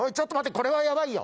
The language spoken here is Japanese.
これはヤバいよ！